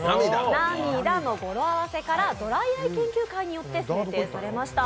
「なみだ」の語呂合わせからドライアイ研究会によって制定されました。